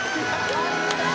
やったー！